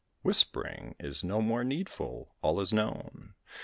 Whispering is no more needful all is known.